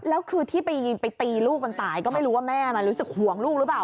แล้วคือที่ไปตีลูกมันตายก็ไม่รู้ว่าแม่มันรู้สึกห่วงลูกหรือเปล่า